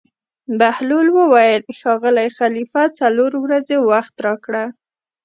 بهلول وویل: ښاغلی خلیفه څلور ورځې وخت راکړه.